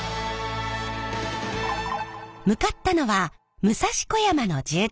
向かったのは武蔵小山の住宅街。